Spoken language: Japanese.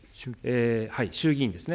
衆議院ですね。